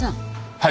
はい。